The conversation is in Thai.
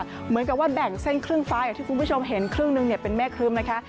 เหมือนกับว่าแบ่งเส้นครึ่งฟ้าอย่างที่คุณผู้ชมเห็นครึ่งหนึ่งเป็นแม่ครึ้มนะคะ